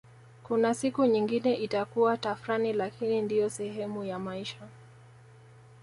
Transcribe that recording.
Kuna siku nyingine itakuwa tafrani lakini ndiyo sehemu ya maisha